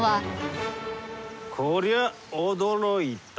こりゃ驚いた。